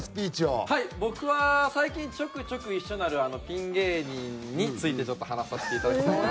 僕は最近ちょくちょく一緒になるピン芸人についてちょっと話させていただきたいなと。